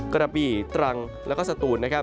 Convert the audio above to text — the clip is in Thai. กระปี่ตรังแล้วก็สตูน